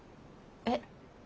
えっ？